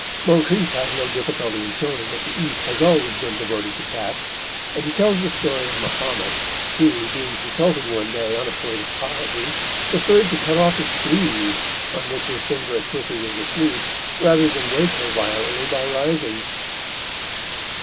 Moncrif has no difficulty in showing that the East has always been devoted to cats, and he tells the story of Mahomet, who, being consulted one day on a point of piety, preferred to cut off his sleeve, on which his favourite pussy was asleep, rather than wake her violently by rising.